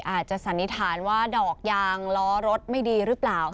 สันนิษฐานว่าดอกยางล้อรถไม่ดีหรือเปล่า